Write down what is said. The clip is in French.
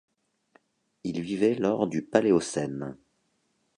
Il vivait lors du Paléocène.